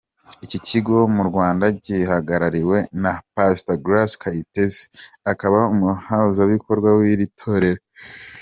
Iki kigo mu Rwanda gihagarariwe na Pastor Grace Kaitesi, akaba umuhuzabikorwa w’iri torero.